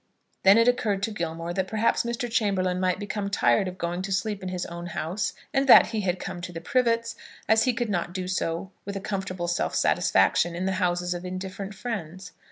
Then it occurred to Gilmore that perhaps Mr. Chamberlaine might become tired of going to sleep in his own house, and that he had come to the Privets, as he could not do so with comfortable self satisfaction in the houses of indifferent friends.